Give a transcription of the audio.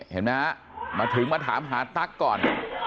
เห็นไหมฮะมาถึงมาถามหาตั๊กก่อน